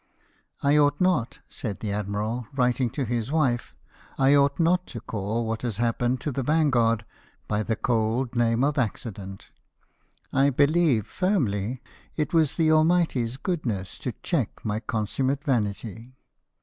" I ought not," said the admiral, writing to his wife —'' I ought not to call what has happened to the Vanguard by the cold name of accident ; I 128 LIFE OF NELSON. believe firnily it was the Almighty's goodness, to check my consummate vanity.